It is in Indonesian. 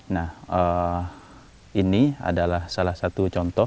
nah ini adalah salah satu contoh